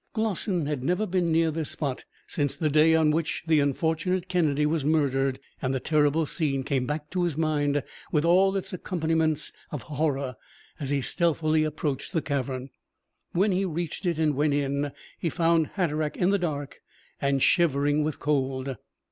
Glossin had never been near this spot since the day on which the unfortunate Kennedy was murdered; and the terrible scene came back to his mind with all its accompaniments of horror as he stealthily approached the cavern. When he reached it and went in, he found Hatteraick in the dark and shivering with cold.